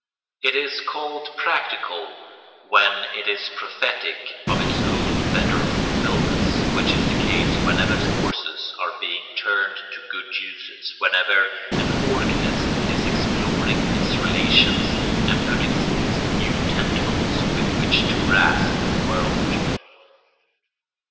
It is called practical when it is prophetic of its own better fulfilments, which is the case whenever forces are being turned to good uses, whenever an organism is exploring its relations and putting forth new tentacles with which to grasp the world.